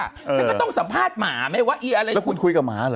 ฉันก็ต้องสัมภาษณ์หมาไหมว่าอีอะไรแล้วคุณคุยกับหมาเหรอ